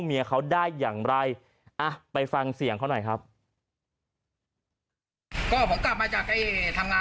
ผมรู้เลยมีคนอยู่ในห้อง